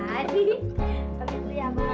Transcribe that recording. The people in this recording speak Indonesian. sampai dulu ya mas